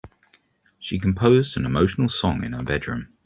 She composed an emotional song in her bedroom.